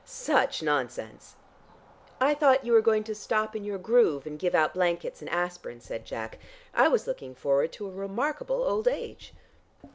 Such nonsense!" "I thought you were going to stop in your groove and give out blankets and aspirin," said Jack. "I was looking forward to a remarkable old age."